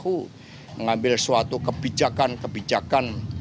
dan juga mengambil suatu kebijakan kebijakan